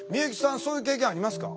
そういう経験ありますか？